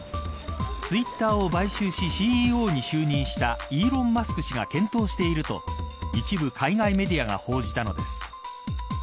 ツイッターを買収しＣＥＯに就任したイーロン・マスク氏が検討していると一部、海外メディアが報じたのです。